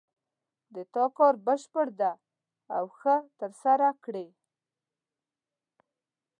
د تا کار بشپړ ده او ښه د ترسره کړې